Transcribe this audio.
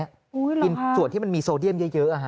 อุ้ยหรอค่ะคือกินส่วนที่มีโซเดียมเยอะอะฮะ